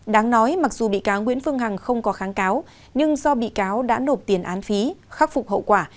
đáng nói mặc dù bị cáo nguyễn phương hằng không có kháng cáo nhưng do bị cáo đã nộp tiền án phí khắc phục hậu quả